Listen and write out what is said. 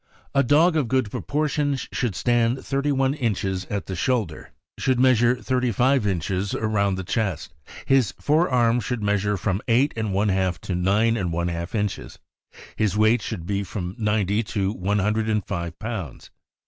A dog of good proportions should stand thirty one inches at the shoulder; should measure thirty five inches around the chest; his fore arm should measure from eight and one half to nine and one half inches; his weight should be from ninety to one hundred and five pounds.